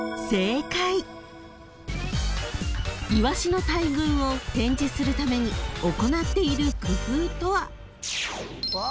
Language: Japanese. ［イワシの大群を展示するために行っている工夫とは］